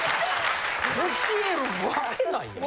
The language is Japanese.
教えるわけないやん。